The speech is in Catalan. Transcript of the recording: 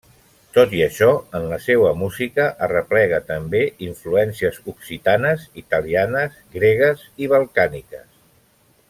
Tot i això, en la seua música arreplega també influències occitanes, italianes, gregues i balcàniques.